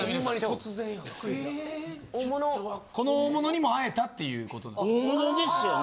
この大物にも会えたっていうこと。